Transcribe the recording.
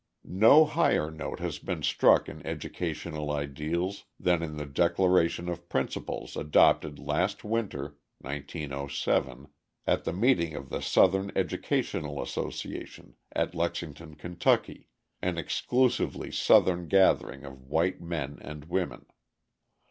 No higher note has been struck in educational ideals than in the Declaration of Principles adopted last winter (1907) at the meeting of the Southern Educational Association at Lexington, Ky., an exclusively Southern gathering of white men and women.